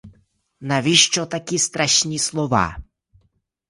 Навіщо такі страшні слова?